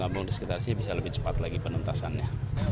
kampung di sekitar sini bisa lebih cepat lagi penuntasannya